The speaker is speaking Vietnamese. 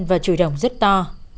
và chửi đồng rất to